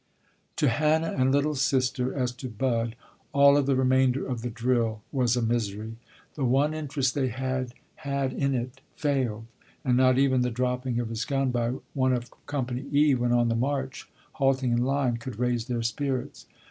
To Hannah and "little sister," as to Bud, all of the remainder of the drill was a misery. The one interest they had had in it failed, and not even the dropping of his gun by one of company "E" when on the march, halting in line, could raise their spirits.